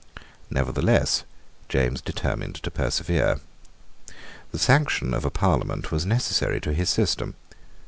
Nevertheless James determined to persevere. The sanction of a Parliament was necessary to his system.